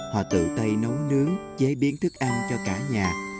họ tự tay nấu nướng chế biến thức ăn cho cả nhà